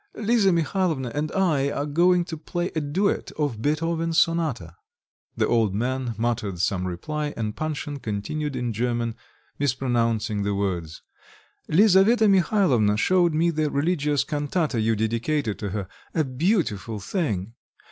"Lisa Mihalovna and I are going to play a duet of Beethoven's sonata." The old man muttered some reply, and Panshin continued in German, mispronouncing the words "Lisaveta Mihalovna showed me the religious cantata you dedicated to her a beautiful thing!